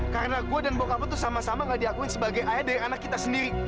karena gue dan bokap lu tuh sama sama gak diakuin sebagai ayah dari anak kita sendiri